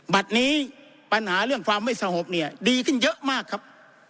บัตรนี้ปัญหาเรื่องความไม่สงบเนี่ยดีขึ้นเยอะมากครับ